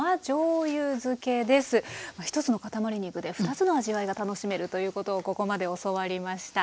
１つのかたまり肉で２つの味わいが楽しめるということをここまで教わりました。